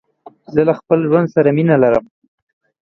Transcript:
زه له خپل ژوند سره مينه لرم.